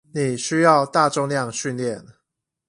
你需要大重量訓練